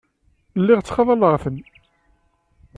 Lliɣ ttxalaḍeɣ-ten.